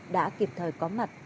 đã kịp thời có mặt